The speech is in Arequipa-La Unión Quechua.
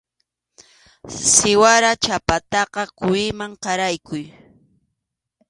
Siwara chhapataqa quwiman qaraykuy.